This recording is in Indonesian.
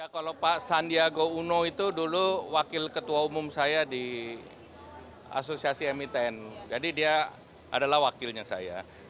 kalau pak sandiaga uno itu dulu wakil ketua umum saya di asosiasi mitn jadi dia adalah wakilnya saya